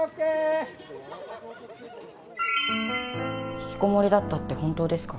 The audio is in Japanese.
ひきこもりだったって本当ですか？